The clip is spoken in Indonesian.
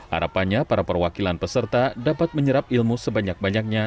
harapannya para perwakilan peserta dapat menyerap ilmu sebanyak banyaknya